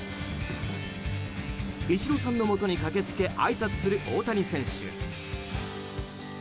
イチローさんのもとに駆け付けあいさつする大谷選手。